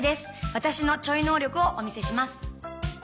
ワタシのちょい能力をお見せします。